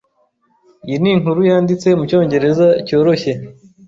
Iyi ni inkuru yanditse mucyongereza cyoroshye.